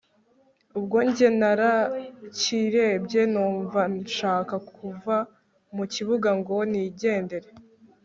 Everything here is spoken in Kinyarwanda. ubwo njye narakirebye numva nshaka kuva mukibuga ngo nigendere